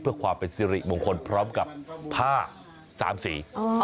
เพื่อความเป็นสิริมงคลพร้อมกับผ้าสามสี